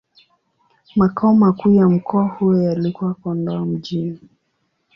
Makao makuu ya mkoa huo yalikuwa Kondoa Mjini.